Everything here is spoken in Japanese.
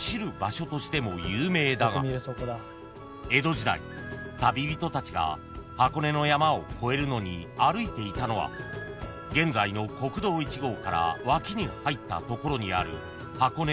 ［江戸時代旅人たちが箱根の山を越えるのに歩いていたのは現在の国道１号から脇に入ったところにある］